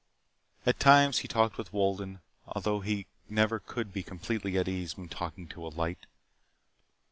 At times he talked with Wolden, although he could never be completely at ease when talking to a light.